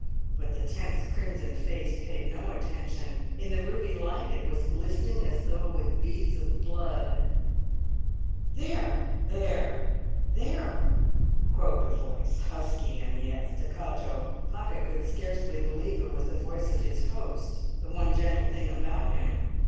But the tense crimson face paid no attention; in the ruby light it was glistening as though with beads of blood. "There! there! there!" croaked a voice, husky and yet staccato. Pocket could scarcely believe it was the voice of his host—the one gentle thing about him.